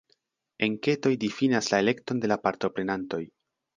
Enketoj difinas la elekton de la partoprenantoj.